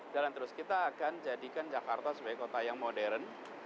terus kita akan jadikan jakarta sebagai kota yang modern